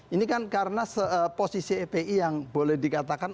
ini kan karena posisi fpi yang boleh dikatakan